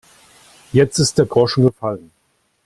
Jetzt ist der Groschen gefallen.